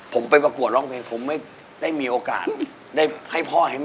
ผมไปประกว์ร้องเพลงผมได้มีโอกาสได้ให้พ่อให้แม่ใหม่